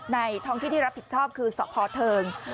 ท้องที่ที่รับผิดชอบคือสพเทิง